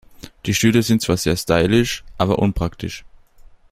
Die Stühle sind zwar sehr stylisch, aber unpraktisch.